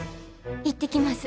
行ってきます。